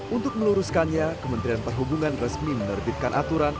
untuk meluruskannya kementerian perhubungan resmi menerbitkan aturan